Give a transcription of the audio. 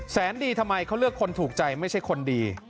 แสนดีทำไมเขาเลือกคนถูกใจไม่ใช่คนดี